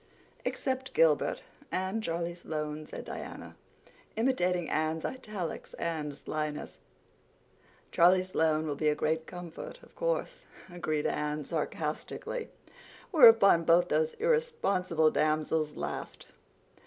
"Except Gilbert—and Charlie Sloane," said Diana, imitating Anne's italics and slyness. "Charlie Sloane will be a great comfort, of course," agreed Anne sarcastically; whereupon both those irresponsible damsels laughed.